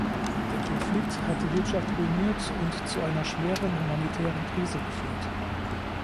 Der Konflikt hat die Wirtschaft ruiniert und zu einer schweren humanitären Krise geführt.